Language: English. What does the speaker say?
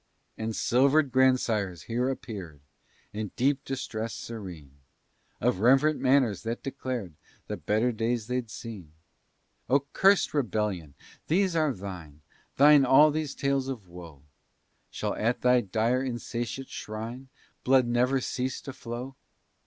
And silver'd grandsires here appear'd In deep distress serene, Of reverent manners that declar'd The better days they'd seen. Oh, curs'd rebellion, these are thine, Thine all these tales of woe; Shall at thy dire insatiate shrine Blood never cease to flow?